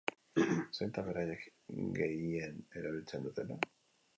Zein da beraiek gehien erabiltzen dutena?